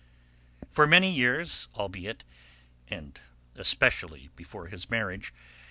For many years, albeit and especially before his marriage M.